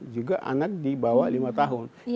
juga anak di bawah lima tahun